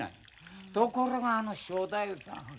ところがあの正太夫さん